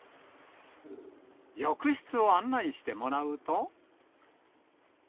浴室を案内してもらうと。